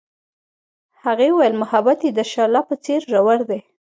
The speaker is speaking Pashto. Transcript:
هغې وویل محبت یې د شعله په څېر ژور دی.